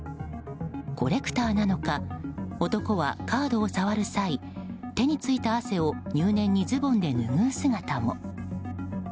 コレクターなのか男はカードを触る際手についた汗を入念にズボンで拭う姿も。